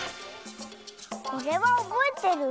これはおぼえてる？